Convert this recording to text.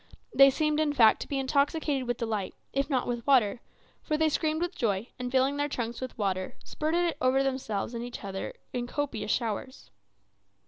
They seemed, in fact, to be intoxicated with delight, if not with water; for they screamed with joy, and filling their trunks with water, spurted it over themselves and each other in copious showers.